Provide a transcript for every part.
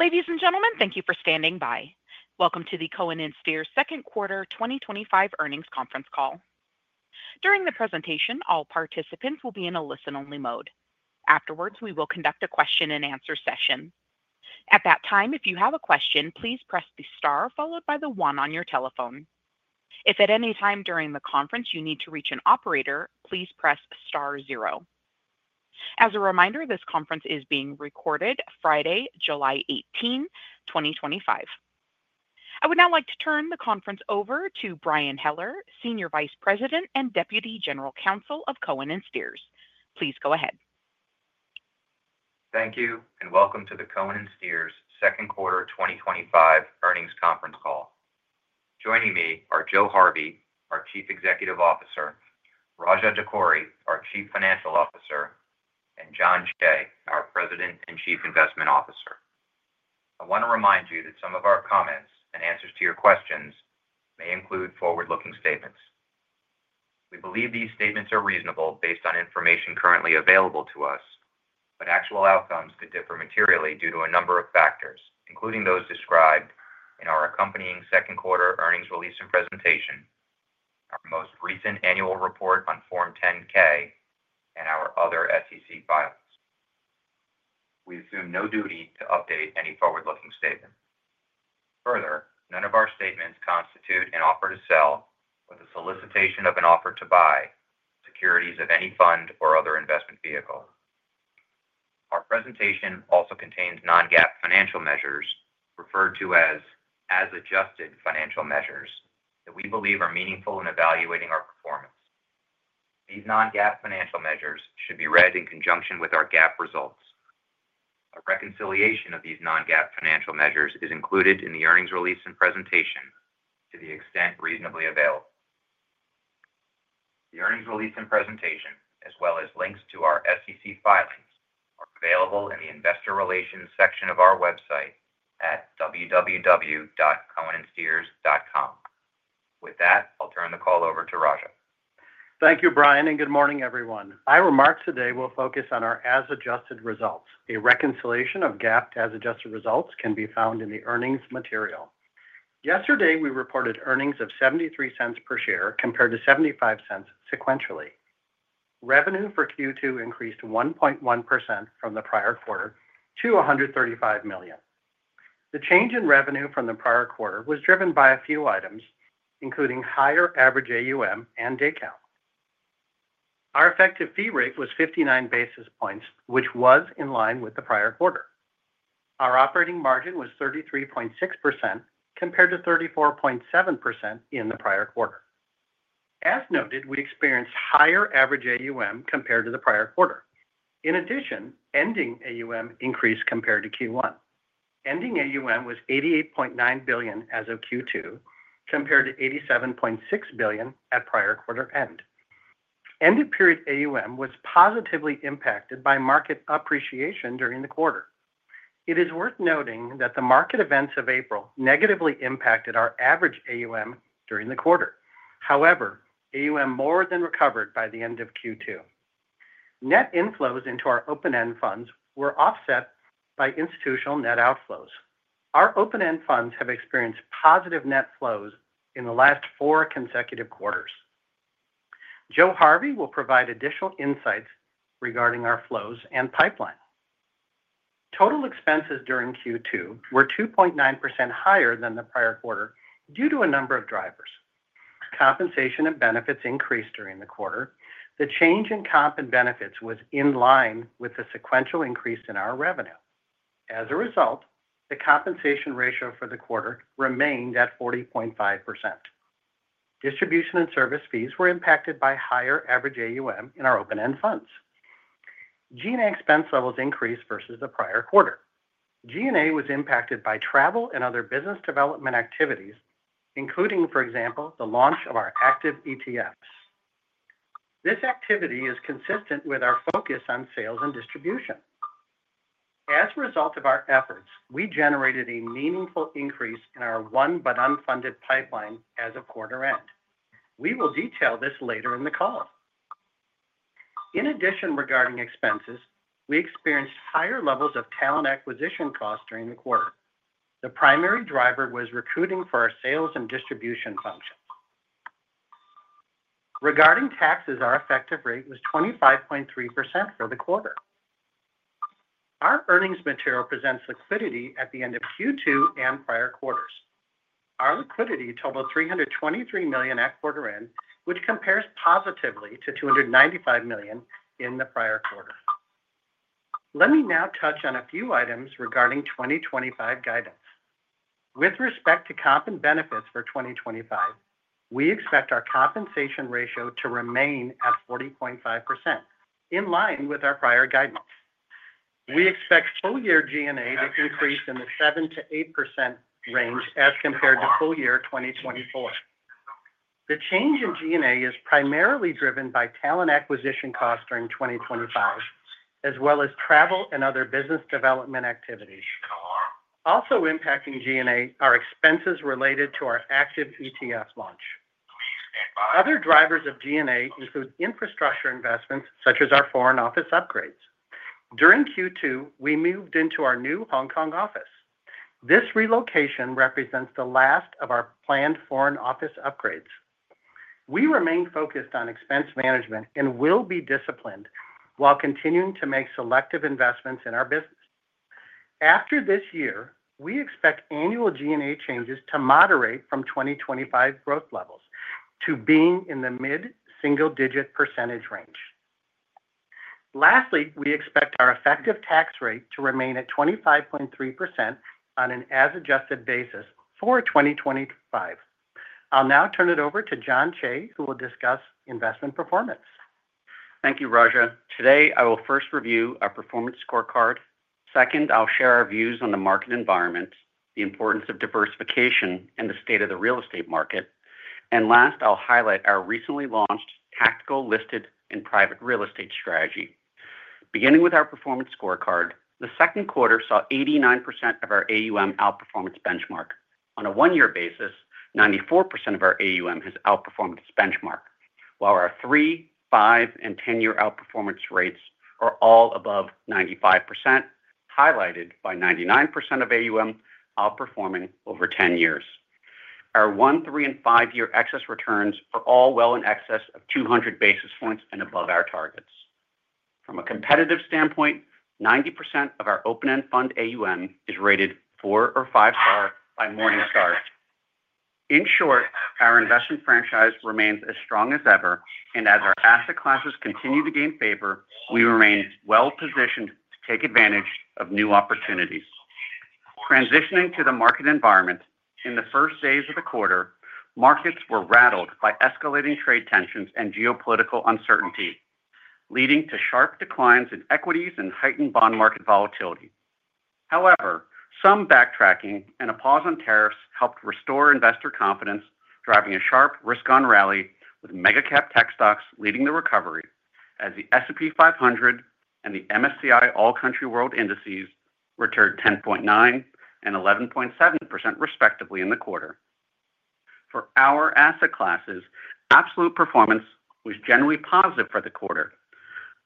Ladies and gentlemen, thank you for standing by. Welcome to the Cohen & Steers Second Quarter 2025 Earnings Conference Call. During the presentation, all participants will be in a listen-only mode. Afterwards, we will conduct a question-and-answer session. At that time, if you have a question, please press the star followed by the one on your telephone. If at any time during the conference you need to reach an operator, please press star zero. As a reminder, this conference is being recorded Friday, July 18, 2025. I would now like to turn the conference over to Brian Heller, Senior Vice President and Deputy General Counsel of Cohen & Steers. Please go ahead. Thank you and welcome to Cohen & Steers Second Quarter 2025 Earnings Conference Call. Joining me are Joe Harvey, our Chief Executive Officer, Raja Dakkuri, our Chief Financial Officer, and Jon Cheigh, our President and Chief Investment Officer. I want to remind you that some of our comments and answers to your questions may include forward-looking statements. We believe these statements are reasonable based on information currently available to us, but actual outcomes could differ materially due to a number of factors including those described in our accompanying second quarter earnings release and presentation, our most recent annual report on Form 10-K, and our other SEC filings. We assume no duty to update any forward-looking statement. Further, none of our statements constitute an offer to sell or the solicitation of an offer to buy securities of any fund or other investment vehicle. Our presentation also contains non-GAAP financial measures referred to as adjusted financial measures that we believe are meaningful in evaluating our performance. These non-GAAP financial measures should be read in conjunction with our GAAP results. A reconciliation of these non-GAAP financial measures is included in the earnings release and presentation to the extent reasonably available. The earnings release and presentation, as well as links to our SEC filings, are available in the Investor Relations section of our website at www.cohenandsteers.com. With that, I'll turn the call over to Raja. Thank you, Brian, and good morning, everyone. My remarks today will focus on our as adjusted results. A reconciliation of GAAP to as adjusted results can be found in the earnings material. Yesterday we reported earnings of $0.73 per share compared to $0.75 per share sequentially. Revenue for Q2 increased 1.1% from the prior quarter to $135 million. The change in revenue from the prior quarter was driven by a few items, including higher average AUM and day count. Our effective fee rate was 59 basis points, which was in line with the prior quarter. Our operating margin was 33.6% compared to 34.7% in the prior quarter. As noted, we experienced higher average AUM compared to the prior quarter. In addition, ending AUM increased compared to Q1. Ending AUM was $88.9 billion as of Q2 compared to $87.6 billion at prior quarter end. End-of-period AUM was positively impacted by market appreciation during the quarter. It is worth noting that the market events of April negatively impacted our average AUM during the quarter. However, AUM more than recovered by the end of Q2. Net inflows into our open-end funds were offset by institutional net outflows. Our open-end funds have experienced positive net flows in the last four consecutive quarters. Joe Harvey will provide additional insights regarding our flows and pipeline. Total expenses during Q2 were 2.9% higher than the prior quarter due to a number of drivers. Compensation and benefits increased during the quarter. The change in comp and benefits was in line with the sequential increase in our revenue. As a result, the compensation ratio for the quarter remained at 40.5%. Distribution and service fees were impacted by higher average AUM in our open-end funds. G&A expense levels increased versus the prior quarter. G&A was impacted by travel and other business development activities, including, for example, the launch of our active ETFs. This activity is consistent with our focus on sales and distribution. As a result of our efforts, we generated a meaningful increase in our one but unfunded pipeline as of quarter end. We will detail this later in the call. In addition, regarding expenses, we experienced higher levels of talent acquisition costs during the quarter. The primary driver was recruiting for our sales and distribution functions. Regarding taxes, our effective rate was 25.3% for the quarter. Our earnings material presents liquidity at the end of Q2 and prior quarters. Our liquidity totaled $323 million at quarter end, which compares positively to $295 million in the prior quarter. Let me now touch on a few items regarding 2025 guidance. With respect to comp and benefits for 2025, we expect our compensation ratio to remain at 40.5% in line with our prior guidelines. We expect full year G&A to increase in the 7%-8% range as compared to full year 2024. The change in G&A is primarily driven by talent acquisition costs during 2025 as well as travel and other business development activities. Also impacting G&A are expenses related to our active ETF launch. Other drivers of G&A include infrastructure investments such as our foreign office upgrades. During Q2, we moved into our new Hong Kong office. This relocation represents the last of our planned foreign office upgrades. We remain focused on expense management and will be disciplined while continuing to make selective investments in our business. After this year, we expect annual G&A changes to moderate from 2025 growth levels to being in the mid-single-digit percentage range. Lastly, we expect our effective tax rate to remain at 25.3% on an as adjusted basis for 2025. I'll now turn it over to Jon Cheigh who will discuss investment performance. Thank you, Raja. Today I will first review our performance scorecard. Second, I'll share our views on the market environment, the importance of diversification, and the state of the real estate market. Last, I'll highlight our recently launched tactical listed and private real estate strategy. Beginning with our performance scorecard, the second quarter saw 89% of our AUM outperform its benchmark. On a one-year basis, 94% of our AUM has outperformed its benchmark while our three, five, and 10-year outperformance rates are all above 95%, highlighted by 99% of AUM outperforming over 10 years. Our one, three, and five-year excess returns are all well in excess of 200 basis points and above our targets. From a competitive standpoint, 90% of our open-end fund AUM is rated 4 or 5 star by Morningstar. In short, our investment franchise remains as strong as ever and as our asset classes continue to gain favor, we remain well positioned to take advantage of new opportunities. Transitioning to the market environment, in the first days of the quarter, markets were rattled by escalating trade tensions and geopolitical uncertainty, leading to sharp declines in equities and heightened bond market volatility. However, some backtracking and a pause on tariffs helped restore investor confidence, driving a sharp risk-on rally with mega cap tech stocks leading the recovery as the S&P 500 and the MSCI All Country World indices returned 10.9% and 11.7% respectively in the quarter. For our asset classes, absolute performance was generally positive for the quarter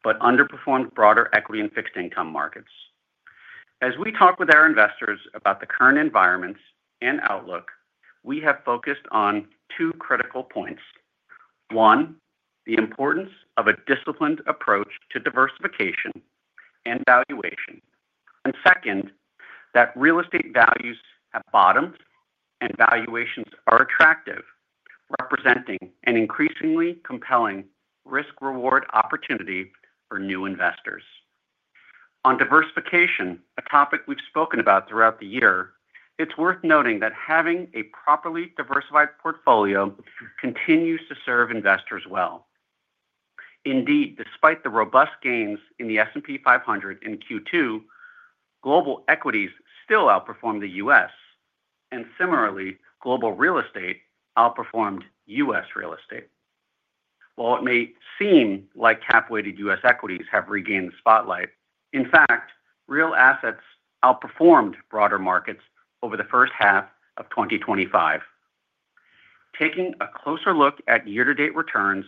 but underperformed broader equity and fixed income markets. As we talk with our investors about the current environment and outlook, we have focused on two critical points. One, the importance of a disciplined approach to diversification and valuation, and second, that real estate values have bottomed and valuations are attractive, representing an increasingly compelling risk-reward opportunity for new investors. On diversification, a topic we've spoken about throughout the year, it's worth noting that having a properly diversified portfolio continues to serve investors well. Indeed, despite the robust gains in the S&P 500 in Q2, global equities still outperformed the U.S., and similarly, global real estate outperformed U.S. real estate. While it may seem like cap-weighted U.S. equities have regained the spotlight, in fact, real assets outperformed broader markets over the first half of 2025. Taking a closer look at year-to-date returns,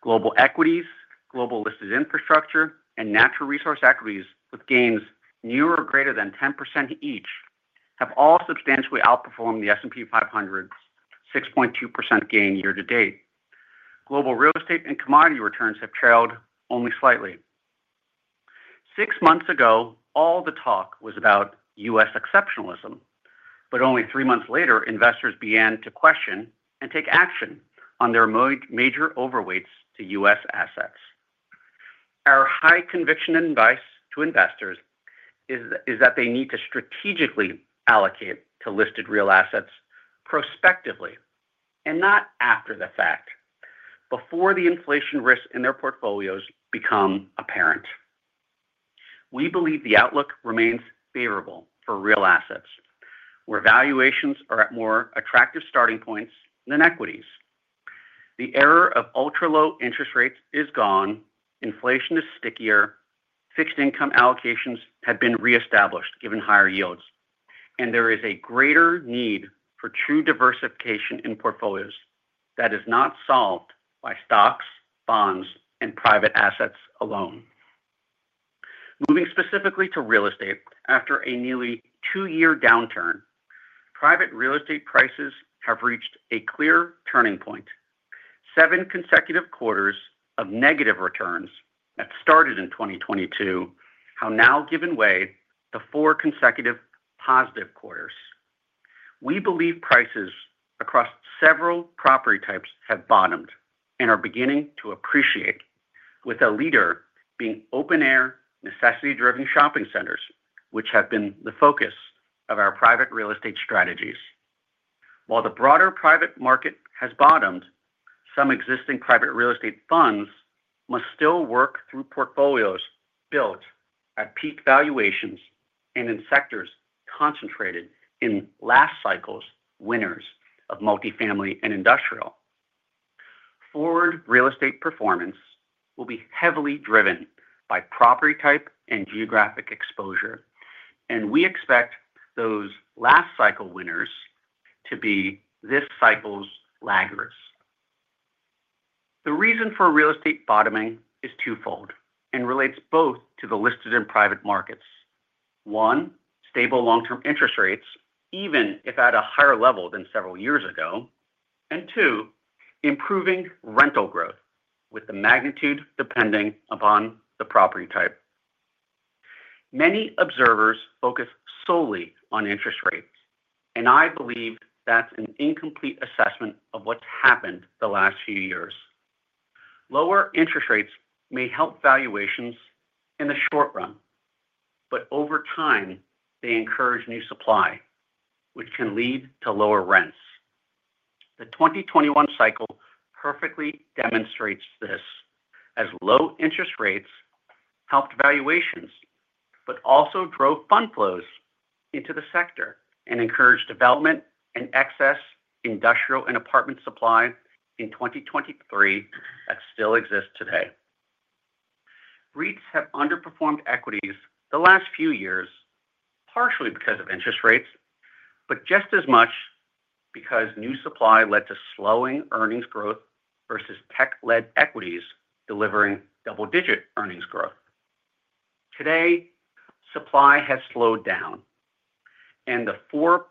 global equities, global listed infrastructure, and natural resource equities with gains near or greater than 10% each have all substantially outperformed the S&P 500 6.2% gain. Year-to-date, global real estate and commodity returns have trailed only slightly. Six months ago all the talk was about U.S. exceptionalism, but only three months later investors began to question and take action on their major overweights to U.S. assets. Our high conviction advice to investors is that they need to strategically allocate to listed real assets prospectively and not after the fact before the inflation risks in their portfolios become apparent. We believe the outlook remains favorable for real assets where valuations are at more attractive starting points than equities. The era of ultra-low interest rates is gone, inflation is stickier, fixed income allocations have been reestablished given higher yields, and there is a greater need for true diversification in portfolios that is not solved by stocks, bonds, and private assets alone. Moving specifically to real estate, after a nearly two-year downturn, private real estate prices have reached a clear turning point. Seven consecutive quarters of negative returns that started in 2022 have now given way to four consecutive positive quarters. We believe prices across several property types have bottomed and are beginning to appreciate with a leader being open-air necessity-driven shopping centers which have been the focus of our private real estate strategies. While the broader private market has bottomed, some existing private real estate funds must still work through portfolios built at peak valuations and in sectors concentrated in last cycles. Winners of multifamily and industrial forward real estate performance will be heavily driven by property type and geographic exposure and we expect those last cycle winners to be this cycle's laggards. The reason for real estate bottoming is twofold and relates both to the listed and private markets: one. stable long-term interest rates even if at a higher level than several years ago, and two. improving rental growth with the magnitude depending upon the property type. Many observers focus solely on interest rates and I believe that's an incomplete assessment of what's happened the last few years. Lower interest rates may help valuations in the short run, but over time they encourage new supply which can lead to lower rents. The 2021 cycle perfectly demonstrates this as low interest rates helped valuations, but also drove fund flows into the sector and encouraged development and excess industrial and apartment supply in 2023 that still exists today. REITs have underperformed equities the last few years partially because of interest rates, but just as much because new supply led to slowing earnings growth versus tech-led equities delivering double-digit earnings growth. Today. Supply has slowed down, and the 4+%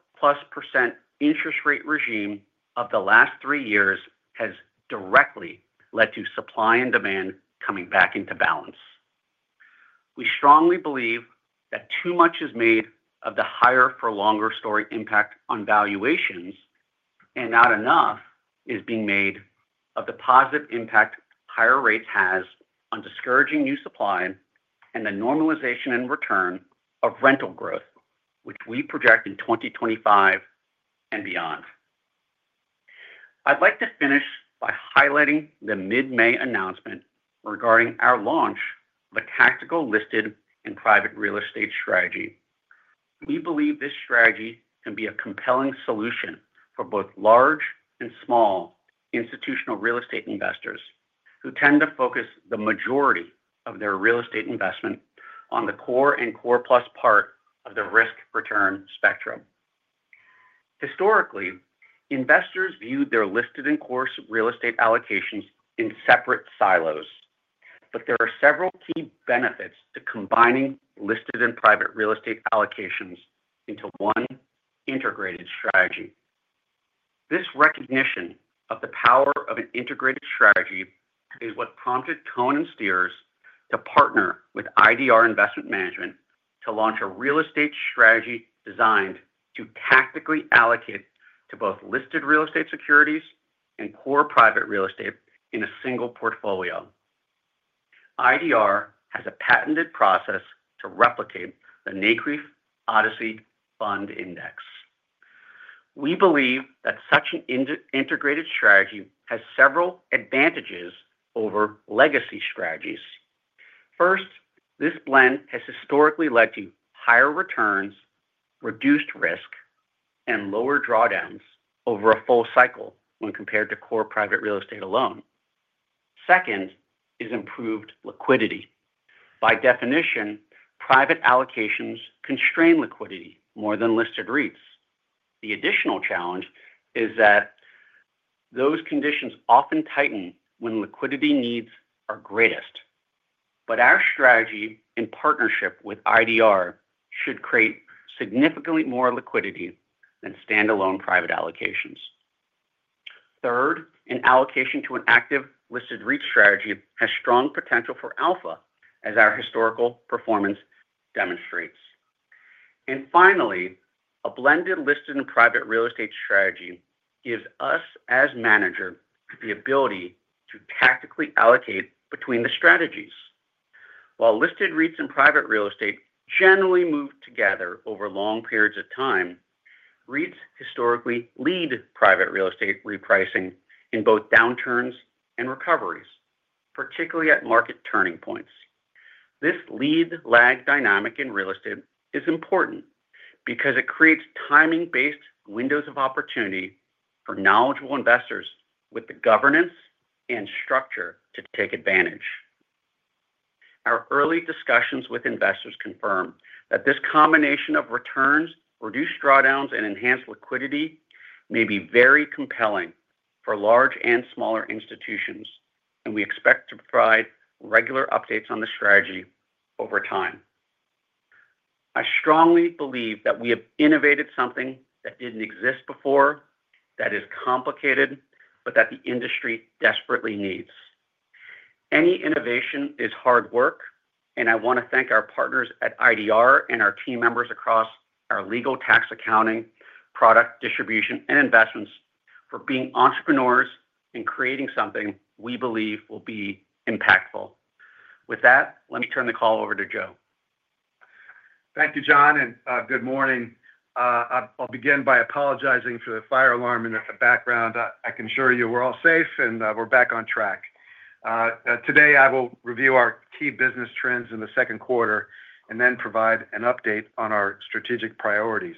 interest rate regime of the last three years has directly led to supply and demand coming back into balance. We strongly believe that too much is made of the higher for longer story impact on valuations, and not enough is being made of the positive impact higher rates has on discouraging new supply and the normalization and return of rental growth, which we project in 2025 and beyond. I'd like to finish by highlighting the mid-May announcement regarding our launch of a tactical listed and private real estate strategy. We believe this strategy can be a compelling solution for both large and small institutional real estate investors who tend to focus the majority of their real estate investment on the core and core plus part of the risk-return spectrum. Historically, investors viewed their listed and core real estate allocations in separate silos, but there are several key benefits to combining listed and private real estate allocations into one integrated strategy. This recognition of the power of an integrated strategy is what prompted Cohen & Steers to partner with IDR Investment Management to launch a real estate strategy designed to tactically allocate to both listed real estate securities and core private real estate in a single portfolio. IDR has a patented process to replicate the NCREIF ODCE Fund Index. We believe that such an integrated strategy has several advantages over legacy strategies. First, this blend has historically led you to higher returns, reduced risk, and lower drawdowns over a full cycle when compared to core private real estate alone. Second is improved liquidity. By definition, private allocations constrain liquidity more than listed REITs. The additional challenge is that those conditions often tighten when liquidity needs are greatest. Our strategy in partnership with IDR should create significantly more liquidity than stand-alone private allocations. Third, an allocation to an active listed REIT strategy has strong potential for Alpha, as our historical performance demonstrates. Finally, a blended listed and private real estate strategy gives us as manager the ability to tactically allocate between the strategies. While listed REITs and private real estate generally move together over long periods of time, REITs historically lead private real estate repricing in both downturns and recoveries, particularly at market turning points. This lead lag dynamic in real estate is important because it creates timing-based windows of opportunity for knowledgeable investors with the governance and structure to take advantage. Our early discussions with investors confirm that this combination of returns, reduced drawdowns, and enhanced liquidity may be very compelling for large and smaller institutions, and we expect to provide regular updates on the strategy over time. I strongly believe that we have innovated something that didn't exist before that is complicated, but that the industry desperately needs. Any innovation is hard work, and I want to thank our partners at IDR and our team members across our legal, tax, accounting, product distribution, and investments for being entrepreneurs and creating something we believe will be impactful. With that, let me turn the call over to Joe. Thank you, Jon, and good morning. I'll begin by apologizing for the fire alarm in the background. I can assure you we're all safe. We're back on track today. I will review our key business trends in the second quarter and then provide. An update on our strategic priorities,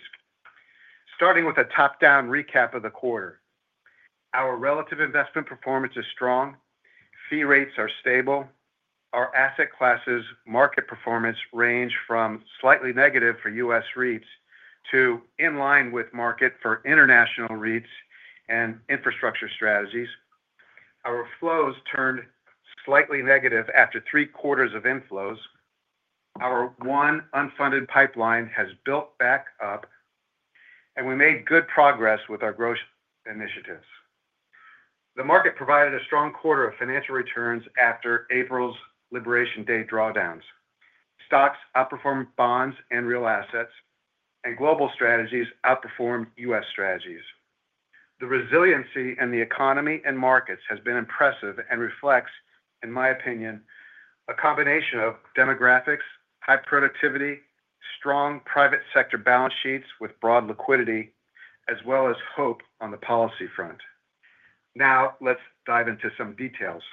starting. With a top-down recap of the quarter, our relative investment performance is strong, fee rates are stable, our asset classes' market performance ranged from slightly negative for U.S. REITs to in line with market for international REITs and infrastructure strategies. Our flows turned slightly negative after three quarters of inflows. Our one unfunded pipeline has built back. Up, and we made good progress with our growth initiatives. The market provided a strong quarter of financial returns after April's Liberation Day drawdowns. Stocks outperformed bonds and real assets, and global strategies outperformed U.S. strategies. The resiliency in the economy and markets has been impressive and reflects, in my opinion, a combination of demographics, high productivity, strong private sector balance sheets with broad liquidity, as well as hope on the policy front. Now let's dive into some details.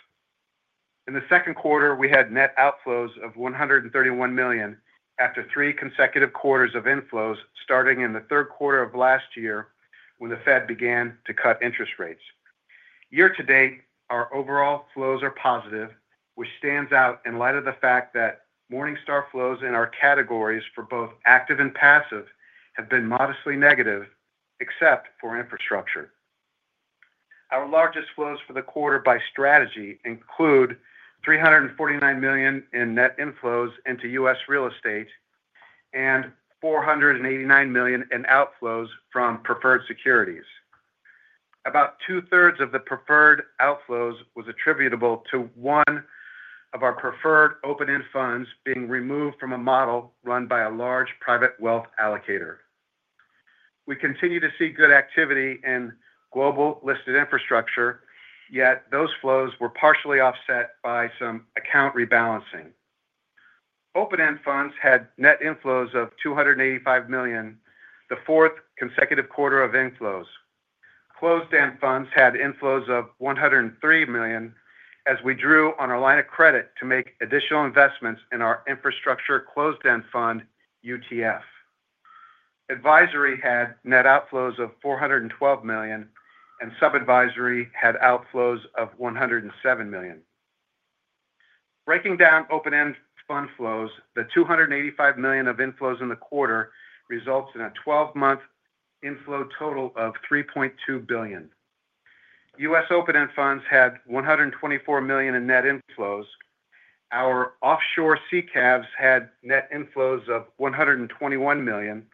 In the second quarter, we had net outflows of $131 million after three consecutive quarters of inflows starting in the third quarter of last year when the Fed began to cut interest rates. Year-to-date, our overall flows are positive, which stands out in light of the fact that Morningstar flows in our categories for both active and passive have been modestly negative. Except for infrastructure. Our largest flows for the quarter by strategy include $349 million in net inflows into U.S. real estate and $489 million in outflows from preferred securities. About 2/3 of the preferred outflows was attributable to one of our preferred open-end funds being removed from a model run by a large private wealth allocator. We continue to see good activity in global listed infrastructure, yet those flows were partially offset by some account rebalancing. Open-end funds had net inflows of $285 million, the fourth consecutive quarter of inflows. Closed-end funds had inflows of $103 million as we drew on our line of credit to make additional investments in our infrastructure. Closed-end fund UTF Advisory had net outflows of $412 million and sub-advisory. Had outflows of $107 million. Breaking down open-end fund flows, the $285 million of inflows in the quarter results in a 12-month inflow total of $3.2 billion. U.S. open-end funds had $124 million in net inflows. Our offshore CCAVs had net inflows of $121 million,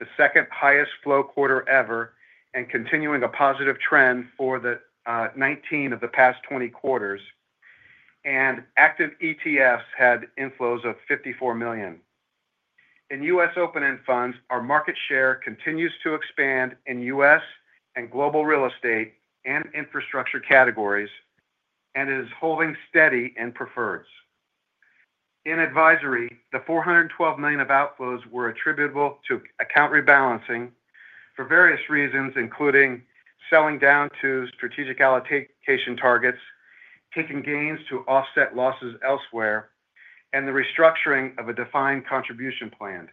the second highest flow quarter ever and continuing a positive trend for 19 of the past 20 quarters, and active ETFs had inflows of $54 million in U.S. open-end funds. Our market share continues to expand in U.S. and global real estate and infrastructure categories and is holding steady in preferreds in advisory. The $412 million of outflows were attributable to account rebalancing for various reasons including selling down to strategic allocation targets, taking gains to offset losses elsewhere, and the restructuring of a defined contribution plan.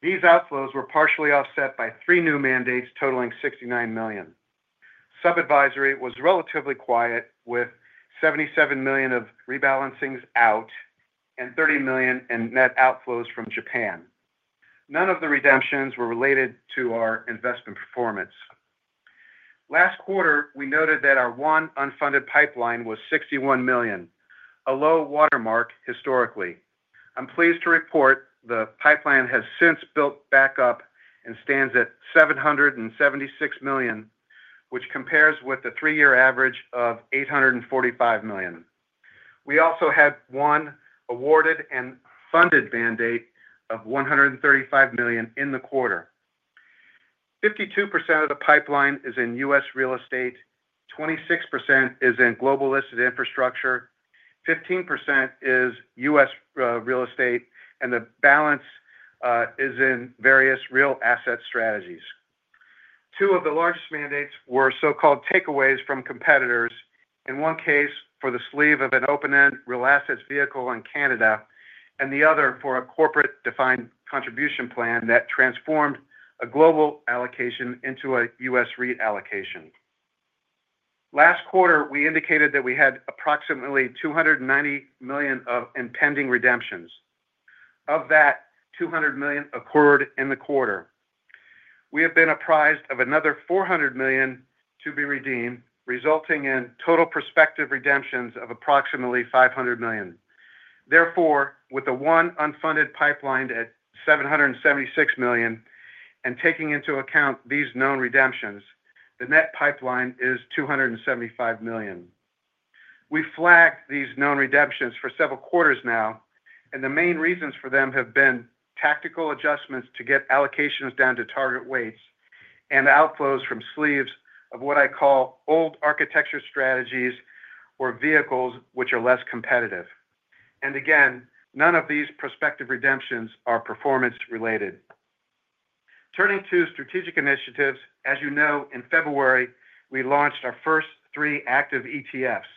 These outflows were partially offset by three new mandates totaling $69 million. Sub-advisory was relatively quiet with $77 million of rebalancings out and $30 million in net outflows from Japan. None of the redemptions were related to our investment performance. Last quarter we noted that our one unfunded pipeline was $61 million, a low watermark historically. I'm pleased to report the pipeline has since built back up and stands at $776 million, which compares with the three-year average of $845 million. We also had one awarded and funded mandate of $135 million in the quarter. 52% of the pipeline is in U.S. real estate, 26% is in global listed infrastructure, 15% is U.S. real estate, and the balance is in various real asset strategies. Two of the largest mandates were so-called takeaways from competitors, in one case for the sleeve of an open-end real assets vehicle in Canada and the other for a corporate defined contribution plan that transformed a global allocation into a U.S. REIT allocation. Last quarter we indicated that we had approximately $290 million of impending redemptions. Of that, $200 million occurred in the quarter. We have been apprised of another $400 million to be redeemed, resulting in total prospective redemptions of approximately $500 million. Therefore, with the one unfunded pipeline at $776 million and taking into account these known redemptions, the net pipeline is $275 million. We flagged these known redemptions for several quarters now and the main reasons for them have been tactical adjustments to get allocations down to target weights and outflows from sleeves of what I call old architecture strategies or vehicles which are less competitive. None of these prospective redemptions are performance related. Turning to Strategic Initiatives, as you know, in February we launched our first three active ETFs.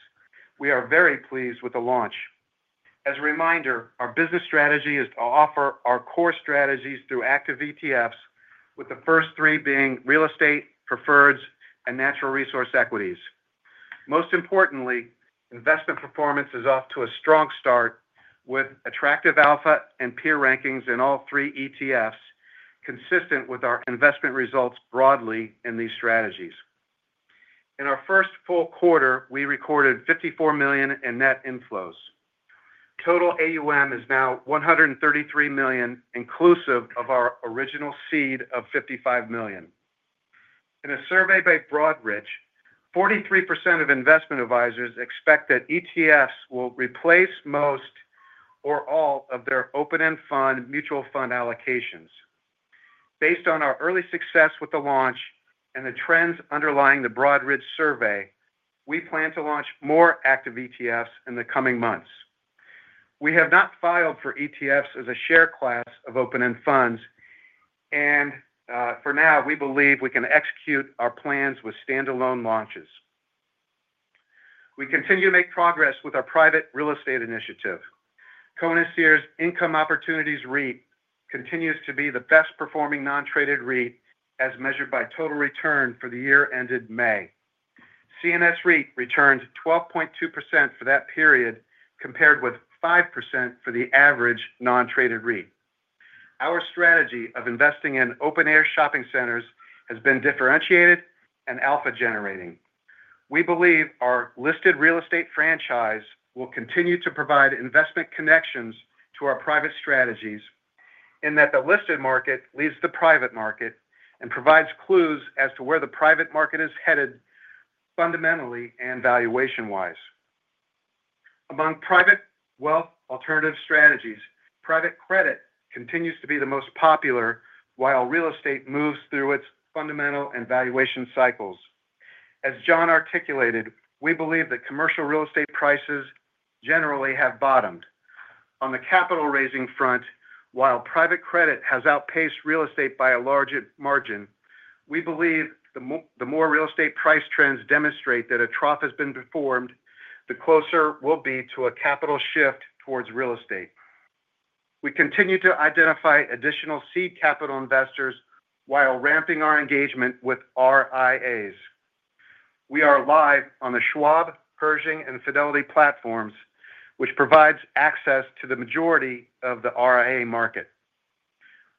We are very pleased with the launch. As a reminder, our business strategy is to offer our core strategies through active ETFs, with the first three being real estate, preferred securities, and resource equities. Most importantly, investment performance is off to a strong start with attractive alpha and peer rankings in all three ETFs, consistent with our investment results broadly in these strategies. In our first full quarter, we recorded $54 million in net inflows. Total AUM is now $133 million, inclusive of our original seed of $55 million. In a survey by Broadridge, 43% of investment advisors expect that ETFs will replace most or all of their open-end fund mutual fund allocations. Based on our early success with the launch and the trends underlying the Broadridge survey, we plan to launch more active ETFs in the coming months. We have not filed for ETFs as a share class of open-end funds, and for now we believe we can execute our plans with stand-alone launches. We continue to make progress with our private real estate initiative, Cohen & Steers' Income Opportunities. REIT continues to be the best-performing non-traded REIT as measured by total return. For the year ended May, CNS REIT returned 12.2% for that period compared with 5% for the average non-traded REIT. Our strategy of investing in open-air shopping centers has been differentiated and alpha generating. We believe our listed real estate franchise will continue to provide investment connections to our private strategies in that the listed market leads the private market and provides clues as to where the private market is headed fundamentally and valuation-wise. Among private wealth alternative strategies, private credit continues to be the most popular while real estate moves through its fundamental and valuation cycles. As Jon articulated, we believe that commercial real estate prices generally have bottomed on the capital raising front while private credit has outpaced real estate by a large margin. We believe the more real estate price trends demonstrate that a trough has been performed, the closer we'll be to a capital shift towards real estate. We continue to identify additional seed capital investors while ramping our engagement with RIAs. We are live on the Schwab, Pershing, and Fidelity platforms, which provides access to the majority of the RIA market.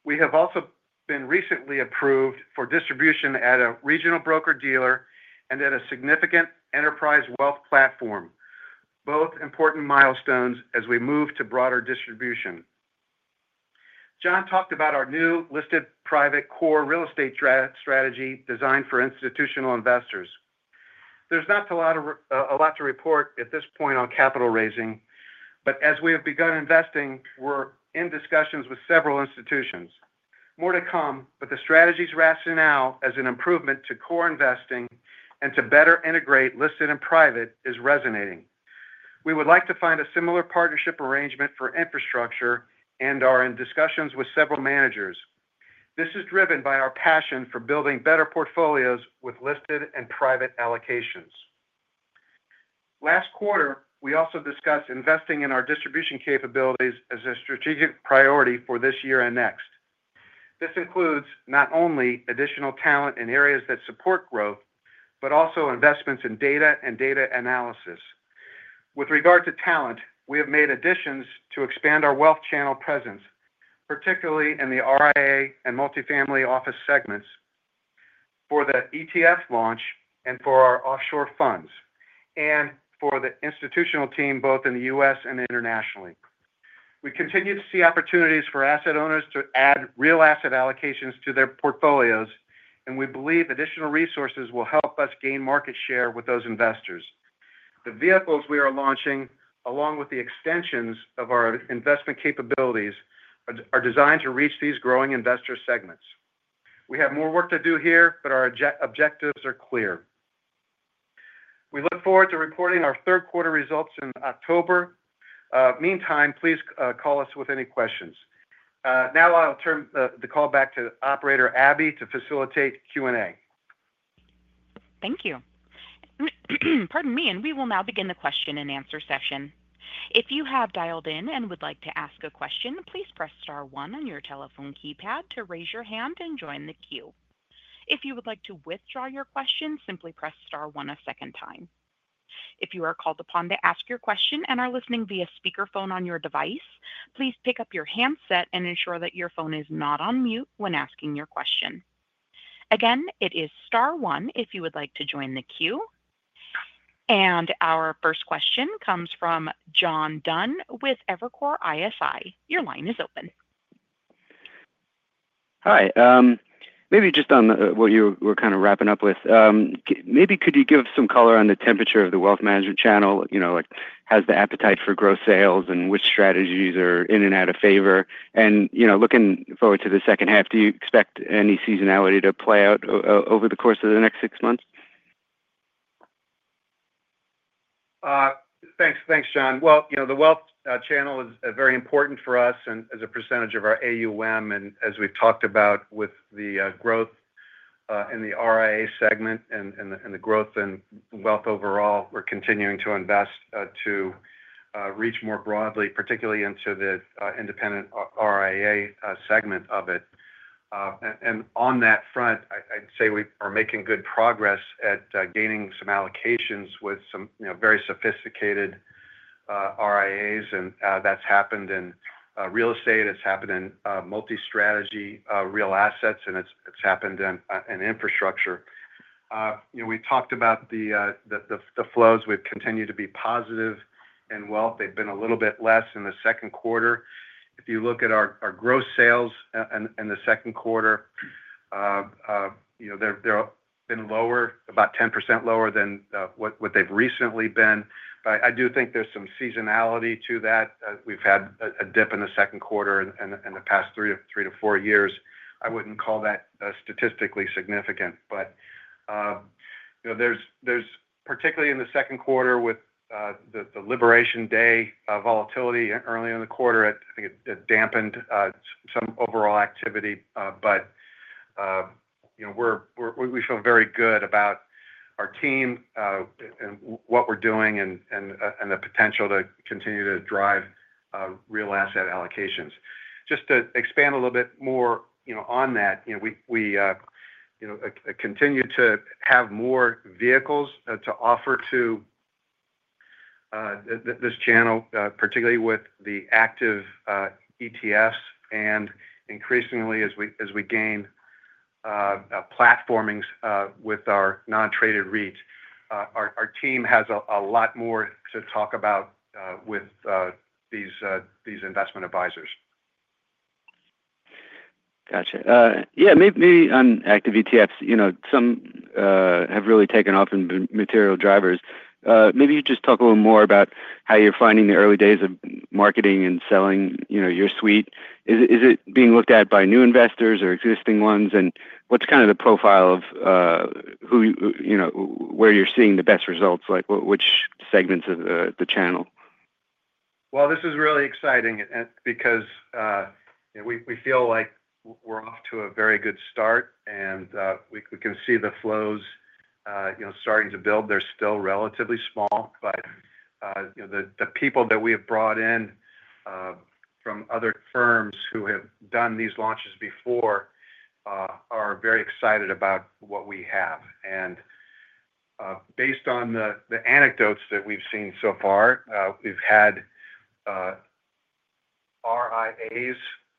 We have also been recently approved for distribution at a regional broker-dealer and at a significant enterprise wealth platform, both important milestones as we move to broader distribution. Jon talked about our new listed private core real estate strategy designed for institutional investors. There's not a lot to report at this point on capital raising, but as we have begun investing, we're in discussions with several institutions. More to come, but the strategy's rationale as an improvement to core investing and to better integrate listed and private is resonating. We would like to find a similar partnership arrangement for infrastructure and are in discussions with several managers. This is driven by our passion for building better portfolios with listed and private allocations. Last quarter, we also discussed investing in our distribution capabilities as a strategic priority for this year and next. This includes not only additional talent in areas that support growth, but also investments in data and data analysis. With regard to talent, we have made additions to expand our wealth channel presence, particularly in the RIA and multifamily office segments for the ETF launch and for our offshore funds and for the institutional team both in the U.S and internationally. We continue to see opportunities for asset owners to add real asset allocations to their portfolios, and we believe additional resources will help us gain market share with those investors. The vehicles we are launching, along with the extensions of our investment capabilities, are designed to reach these growing investor segments. We have more work to do here, but our objectives are clear. We look forward to reporting our third quarter results in October. Meantime, please call us with any questions. Now, I'll turn the call back to Operator Abby to facilitate Q&A. Thank you. Pardon me. We will now begin the question-and-answer session. If you have dialed in and would like to ask a question, please press star one on your telephone keypad to raise your hand and join the queue. If you would like to withdraw your question, simply press star one a second time. If you are called upon to ask your question and are listening via speakerphone on your device, please pick up your handset and ensure that your phone is not on mute when asking your question. Again, it is star one if you would like to join the queue. Our first question comes from John Dunn with Evercore ISI. Your line is open. Hi, maybe just on what you were kind of wrapping up with, could you give some color on the temperature of the wealth management channel? You know, like how's the appetite for gross sales and which strategies are in and out of favor. You know, looking forward to the second half, do you expect any seasonality to play out over the course of the next six months? Thanks, John. You know, the wealth channel is. Very important for us and as a percentage of our AUM and as we've talked about with the growth in the RIA segment and the growth in wealth overall, we're continuing to invest to reach more broadly, particularly into the independent RIA segment of it. On that front, I'd say we are making good progress at gaining some allocations with some very sophisticated RIAs. That's happened in real estate, it's happened in multi-strategy real assets, and it's happened in infrastructure. We talked about the flows. We've continued to be positive in wealth. They've been a little bit less in the second quarter. If you look at our gross sales in the second quarter. They're. Been lower, about 10% lower than what they've recently been. I do think there's some seasonality to that. We've had a dip in the second quarter in the past three to four years. I wouldn't call that statistically significant, but particularly in the second quarter with the Liberation Day volatility early in the quarter, it dampened some overall activity. We feel very good about our team and what we're doing and the potential to continue to drive real asset. Allocations, just to expand a little bit more on that. We continue to have more vehicles to offer to this channel, particularly with the active ETFs, and increasingly as we gain platformings with our non-traded REIT, our team has a lot more to talk about with these investment advisors. Gotcha. Yeah. Maybe on active ETFs, some have really taken off and been material drivers. Maybe you just talk a little more about how you're finding the early days of marketing and selling your suite. Is it being looked at by new investors or existing ones? What's kind of the profile of where you're seeing the best results, like which segments of the channel? This is really exciting because we feel like we're off to a very good start and we can see the flows starting to build. They're still relatively small, but the people that we have brought in from other firms who have done these launches before are very excited about what we have. Based on the anecdotes that we've seen so far, we've had RIAs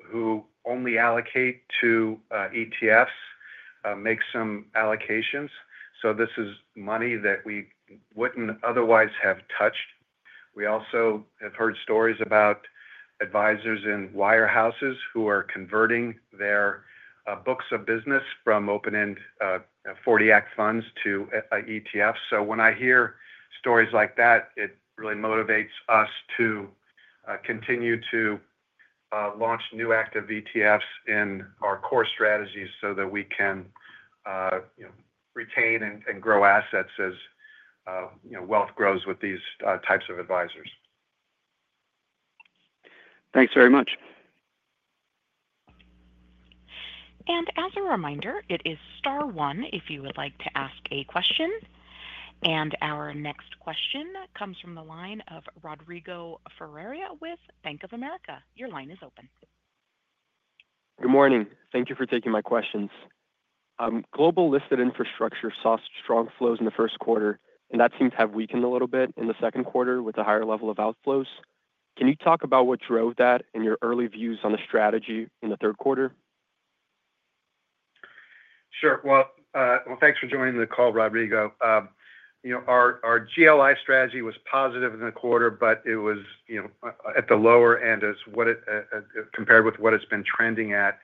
who only allocate to ETFs make some allocations. This is money that we wouldn't otherwise have touched. We also have heard stories about advisors in wire houses who are converting their books of business from open-end 40 Act funds to ETFs. When I hear stories like that, it really motivates us to continue to launch new active ETFs in our core strategies so that we can retain and grow assets as wealth grows with these types of advisors. Thanks very much. As a reminder, it is star one if you would like to ask a question. Our next question comes from the line of Rodrigo Ferreira with Bank of America. Your line is open. Good morning. Thank you for taking my questions. Global listed infrastructure saw strong flows in the first quarter, and that seemed to have weakened a little bit in the second quarter with a higher level of outflows. Can you talk about what drove that and your early views on the strategy. In the third quarter? Sure. Thank you for joining the call, Rodrigo. You know, our GLI strategy was positive. In the quarter, it was at the lower end as compared with what it's been trending at.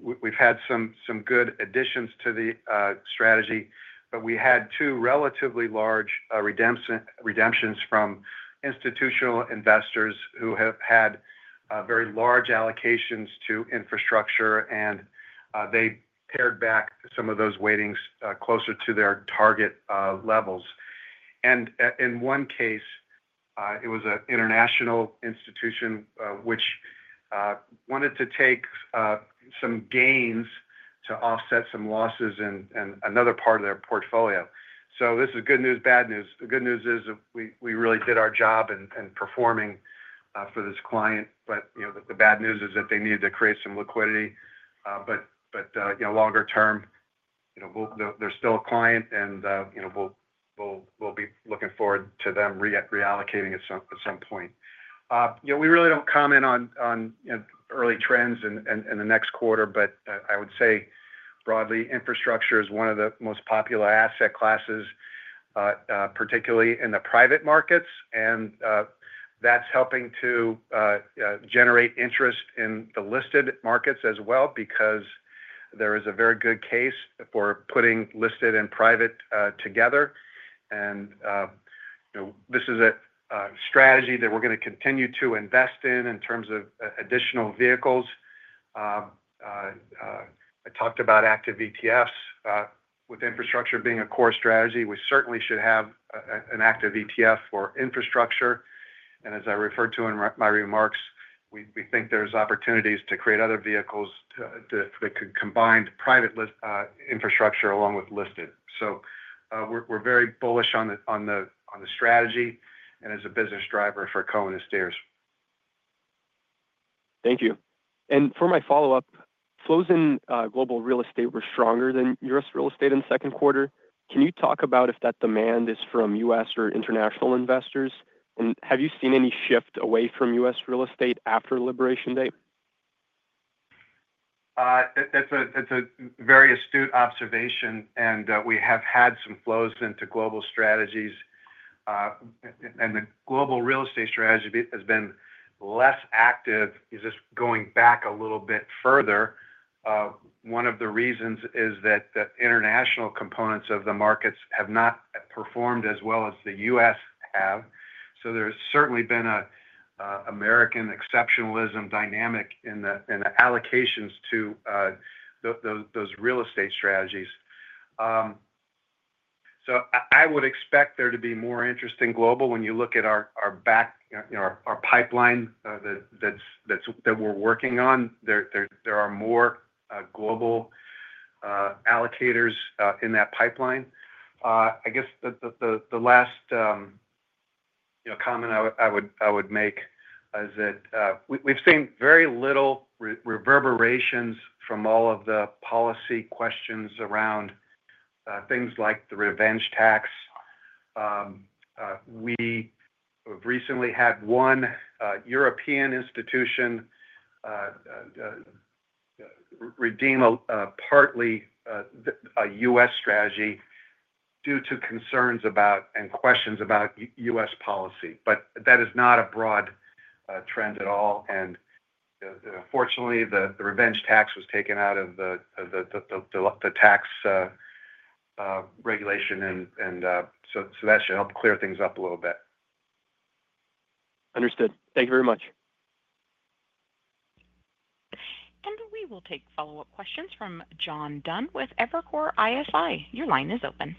We've had some good additions to the strategy, but we had two relatively large redemptions from institutional investors who have had very large allocations to infrastructure, and they pared back some of those weightings closer to their target levels. In one case, it was an international institution which wanted to take some. Gains to offset some losses in another. Part of their portfolio. This is good news, bad news. The good news is we really did our job in performing for this client. The bad news is that they need to create some liquidity, but longer term they're still a client and we'll be looking forward to them reallocating at some point. We really don't comment on early trends in the next quarter, but I would. Broadly, infrastructure is one of the. Most popular asset classes, particularly in the private markets, and that's helping to generate. Interest in the listed markets as well. Because there is a very good case. For putting listed and private together. This is a strategy that we're. Going to continue to invest in. In terms of additional vehicles, I talked about active ETFs with infrastructure being a core strategy. We certainly should have an active ETF for infrastructure. As I referred to in my remarks, we think there's opportunities to create other vehicles that could combine private infrastructure along with listed. We're very bullish on the strategy and as a business driver for Cohen & Steers. Thank you. For my follow-up, flows in. Global real estate were stronger than U.S. real estate in second quarter. Can you talk about if that demand is from U.S. or international investors? Have you seen any shift away from U.S. real estate after Liberation Day? That's a very astute observation. We have had some flows into global strategies, and the global real estate strategy has been less active. Going back a little bit further, one of the reasons is that the international components of the markets have not performed as well as the U.S. have. There's certainly been an American exceptionalism dynamic in the allocations to those real estate strategies. I would expect there to be more interest in global. When you look at our pipeline that we're working on, there are more global allocators in that pipeline. I guess the last comment I would make is that we've seen very little reverberations from all of the policy questions around things like the revenge tax. We recently had one European institution redeem partly a U.S. strategy due to concerns about and questions about U.S. policy. That is not a broad trend at all. Fortunately, the revenge tax was taken out of the tax regulation and that should help clear things up a little bit. Understood, thank you very much. We will take follow-up questions from John Dunn with Evercore ISI. Your line is open.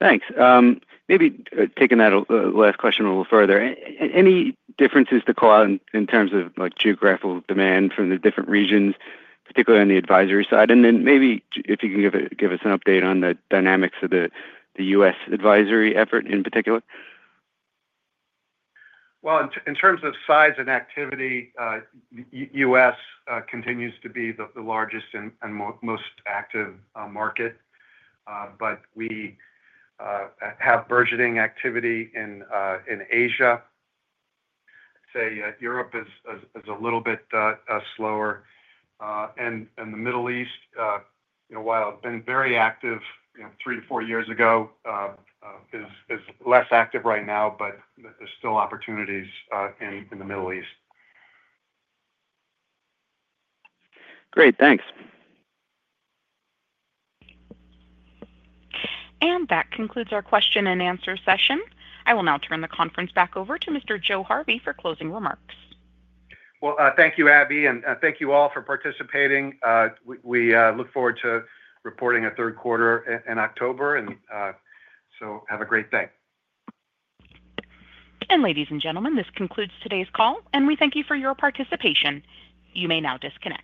Thanks. Maybe taking that last question a little further. Any differences to call out in terms of geographical demand from the different regions, particularly on the advisory side? If you can give us an update on the dynamics of the U.S. advisory effort in particular. In terms of size and activity. U.S. continues to be the largest and most active market. We have burgeoning activity in Asia. Europe is a little bit slower, and the Middle East, while very active three to four years ago, is. Less active right now. There are still opportunities in the Middle East. Great, thanks. That concludes our question and answer session. I will now turn the conference back over to Mr. Joe Harvey for closing remarks. Thank you, Abby, and thank you all for participating. We look forward to reporting a third quarter in October, and have a great day. Ladies and gentlemen, this concludes today's call and we thank you for your participation. You may now disconnect.